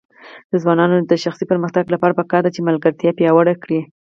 د ځوانانو د شخصي پرمختګ لپاره پکار ده چې ملګرتیا پیاوړې کړي.